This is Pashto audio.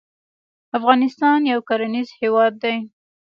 افغانستان يو کرنيز هېواد دی.